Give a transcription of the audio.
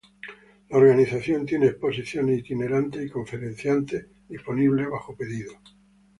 La organización tiene exposiciones itinerantes y conferenciantes disponibles bajo pedido.